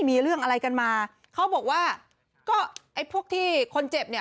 มีเรื่องอะไรกันมาเขาบอกว่าก็ไอ้พวกที่คนเจ็บเนี่ย